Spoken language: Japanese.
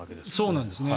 そうなんですね。